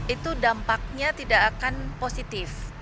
itu dampaknya tidak akan positif